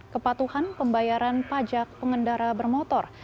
kepatuhan pembayaran pajak pengendara bermotor